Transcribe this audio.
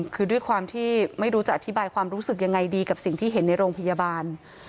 คือด้วยความที่ไม่รู้จะอธิบายความรู้สึกยังไงดีกับสิ่งที่เห็นในโรงพยาบาล